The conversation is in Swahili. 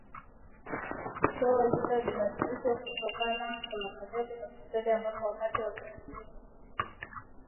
shoo hilo libadilishwe kutokana kuwa karibu na hospitali ambapo wakati wanajaribia muziki